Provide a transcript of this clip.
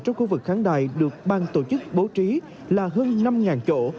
trong khu vực kháng đài được ban tổ chức bố trí là hơn năm chỗ